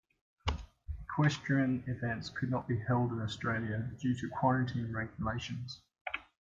Equestrian events could not be held in Australia due to quarantine regulations.